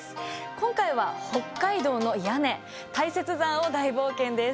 今回は北海道の屋根大雪山を大冒険です。